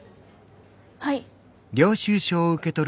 はい。